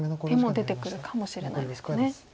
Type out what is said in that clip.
出てくるかもしれないですかね。